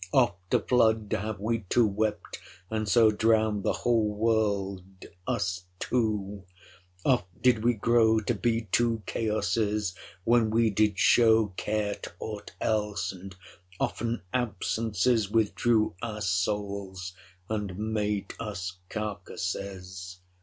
Oft a flood Have wee two wept, and so Drownd the whole world, us two; oft did we grow To be two Chaosses, when we did show 25 Care to ought else; and often absences Withdrew our soules, and made us carcasses.